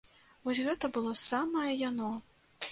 Вось гэта было самае яно!